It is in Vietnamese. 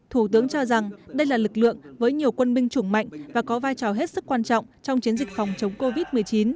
thủ tướng cho rằng đây là lực lượng với nhiều quân binh chủng mạnh và có vai trò hết sức quan trọng trong chiến dịch phòng chống covid một mươi chín